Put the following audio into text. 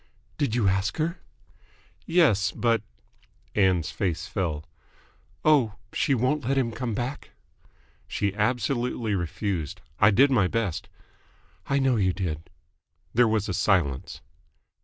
"Did you ask her?" "Yes. But " Ann's face fell. "Oh! She won't let him come back?" "She absolutely refused. I did my best." "I know you did." There was a silence.